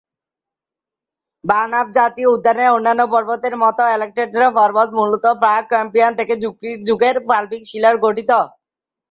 Banff জাতীয় উদ্যানের অন্যান্য পর্বতের মত আলেকজান্দ্রা পর্বত মূলত প্রাক-ক্যাম্ব্রিয়ান থেকে জুরাসিক যুগের পাললিক শিলায় গঠিত।